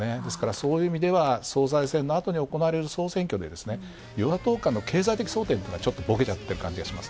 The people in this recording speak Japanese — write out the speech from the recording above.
そういう意味では、総裁選のあとに行われる総選挙で与野党間の経済的争点がぼけちゃってる感じです。